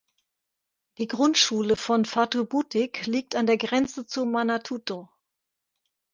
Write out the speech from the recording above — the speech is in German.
Die Grundschule von Fatubutik liegt an der Grenze zu Manatuto.